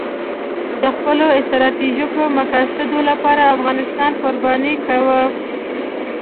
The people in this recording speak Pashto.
د خپلو ستراتیژیکو مقاصدو لپاره افغانستان قرباني کاوه.